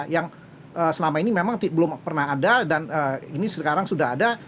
yang selama ini memang belum pernah ada dan ini sekarang sudah ada